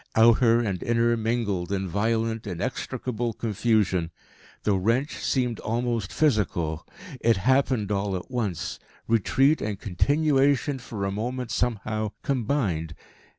Outer and inner mingled in violent, inextricable confusion. The wrench seemed almost physical. It happened all at once, retreat and continuation for a moment somehow combined.